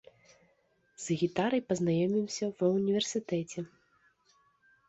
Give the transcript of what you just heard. З гітарай пазнаёміўся ва ўніверсітэце.